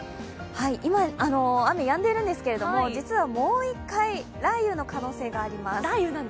今、雨やんでいるんですけれども実はもう１回、雷雨の可能性があります。